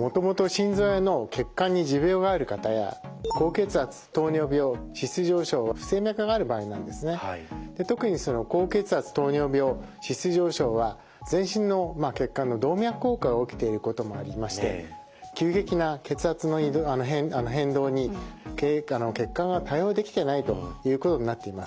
もともと心臓や脳血管に持病がある方や特に高血圧・糖尿病・脂質異常症は全身の血管の動脈硬化が起きていることもありまして急激な血圧の変動に血管が対応できていないということになっています。